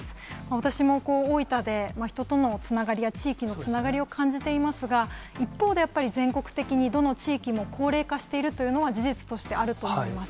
私も大分で、人とのつながりや、地域のつながりを感じていますが、一方でやっぱり、全国的にどの地域も高齢化しているというのは、事実としてあると思います。